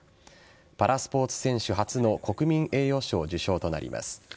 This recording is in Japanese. パラスポーツ選手初の国民栄誉賞受賞となります。